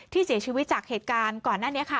เสียชีวิตจากเหตุการณ์ก่อนหน้านี้ค่ะ